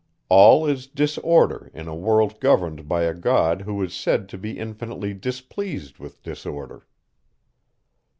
All is disorder in a world governed by a God who is said to be infinitely displeased with disorder.